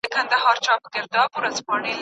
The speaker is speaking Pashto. اسلام د توازن او عدل دین دی.